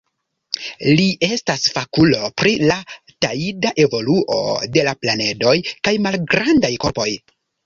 Li estas fakulo pri la tajda evoluo de la planedoj kaj malgrandaj korpoj.